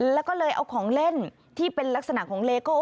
แล้วก็เลยเอาของเล่นที่เป็นลักษณะของเลโก้